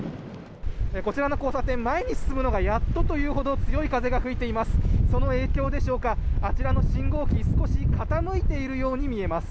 こちらの交差点、前に進むのがやっとというほど強い風が吹いています。